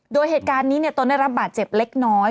โดยเหตุการณ์นี้ตนได้รับบาดเจ็บเล็กน้อย